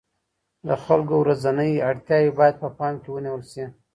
د خلګو ورځنۍ اړتیاوې باید په پام کي ونیول سي.